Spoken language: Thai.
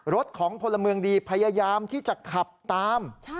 รถของพลเมืองดีพยายามที่จะขับตาม